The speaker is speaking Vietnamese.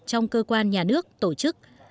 trong cơ quan nhà nước tổ chức